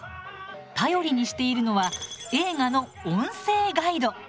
頼りにしているのは映画の「音声ガイド」。